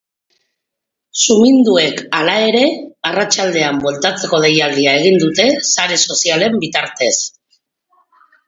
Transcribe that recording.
Suminduek, hala ere, arratsaldean bueltatzeko deialdia egin dute sare sozialen bitartez.